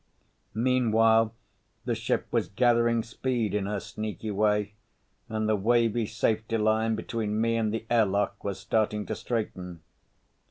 Meanwhile the ship was gathering speed in her sneaky way and the wavy safety line between me and the airlock was starting to straighten.